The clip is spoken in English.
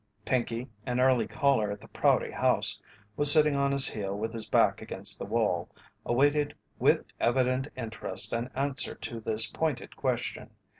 Pinkey, an early caller at the Prouty House, sitting on his heel with his back against the wall, awaited with evident interest an answer to this pointed question.